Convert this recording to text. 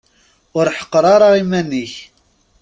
Ur ḥeqqer ara iman-ik.